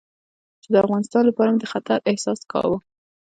چې د افغانستان لپاره مې د خطر احساس کاوه.